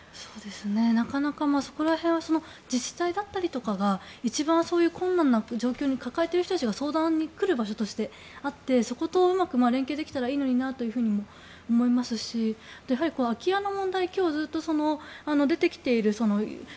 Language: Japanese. なかなか、そこら辺は自治体だったりとかが一番、困難な状況を抱えている人たちが相談に来る場所としてあってそことうまく連携できたらいいのになと思いますし空き家の問題ずっと出てきている。